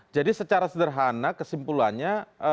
jadi secara sederhana kesimpulannya